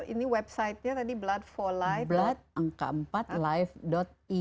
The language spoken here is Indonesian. ini website nya tadi blood for life id dan juga mengenai edukasinya